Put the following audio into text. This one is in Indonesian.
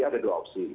ada dua opsi